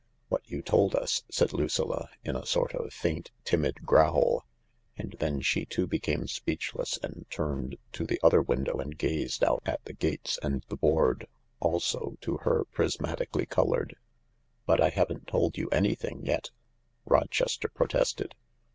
" What you told us," said Lucilla, in a sort of faint, timid growl, and then she too became speechless, and turned to the other window and gazed out at the gates and the board, also, to her, prismatically coloured. " But I haven't told you anything yet," Rochester pro tested.